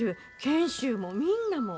賢秀もみんなも。